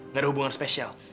gak ada hubungan spesial